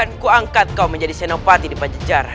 akan ku angkat kau menjadi senopati di pancacara